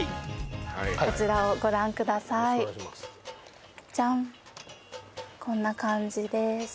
はいはいこちらをご覧くださいジャンこんな感じです